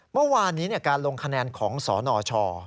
เมื่อวานนี้เนี่ยการลงคะแนนของสอนอช